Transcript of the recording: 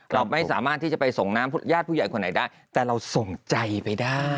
เราไม่สามารถที่จะไปส่งน้ำญาติผู้ใหญ่คนไหนได้แต่เราส่งใจไปได้